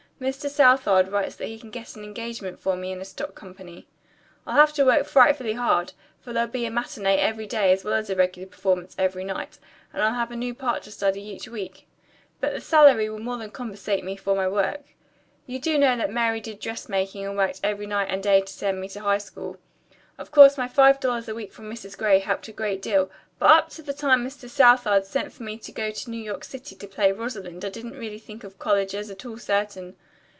Mr. Southard writes that he can get an engagement for me in a stock company. I'll have to work frightfully hard, for there will be a matinee every day as well as a regular performance every night, and I'll have a new part to study each week. But the salary will more than compensate me for my work. You know that Mary did dress making and worked night and day to send me to high school. Of course, my five dollars a week from Mrs. Gray helped a great deal, but up to the time Mr. Southard sent for me to go to New York City to play Rosalind I didn't really think of college as at all certain.